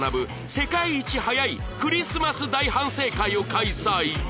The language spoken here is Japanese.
世界一早いクリスマス大反省会を開催